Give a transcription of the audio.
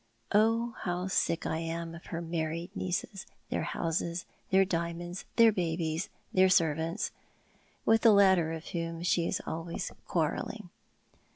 Oh, how sick I am of her married nieces, their houses, their diamonds, their babies, their servants — with the latter of whom she is always quarrelling.